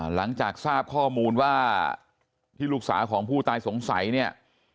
หลังจากทราบข้อมูลว่าที่ลูกสาวของผู้ตายสงสัยเนี่ย